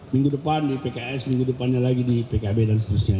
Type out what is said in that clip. minggu depan di pks minggu depannya lagi di pkb dan seterusnya